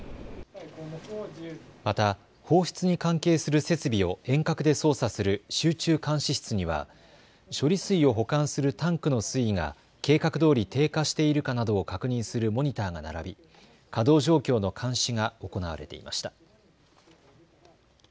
また放出に関係する設備を遠隔で操作する集中監視室には処理水を保管するタンクの水位が計画どおり低下しているかなどを確認するモニターが並び稼働状況の監視が行われていました。